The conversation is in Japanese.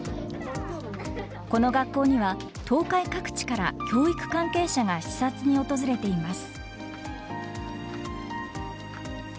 この学校には東海各地から教育関係者が視察に訪れています。